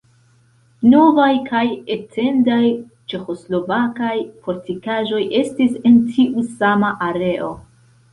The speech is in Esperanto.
Novaj kaj etendaj ĉeĥoslovakaj fortikaĵoj estis en tiu sama areo.